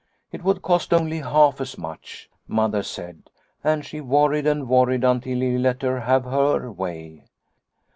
It would cost only half as much, Mother said, and she worried and worried until he let her have her way.